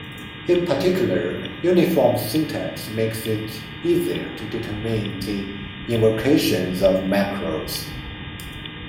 In particular, uniform syntax makes it easier to determine the invocations of macros.